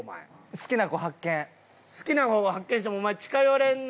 好きな子を発見してもお前近寄れんのやど。